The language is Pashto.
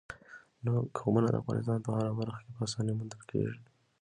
قومونه د افغانستان په هره برخه کې په اسانۍ موندل کېږي.